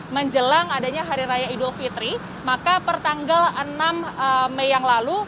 menjelang adanya hari raya idul fitri maka pertanggal enam mei yang lalu